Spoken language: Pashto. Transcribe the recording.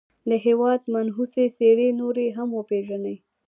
د هېواد منحوسي څېرې نورې هم وپېژني.